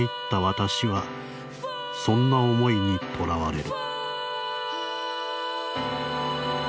私はそんな思いにとらわれる」。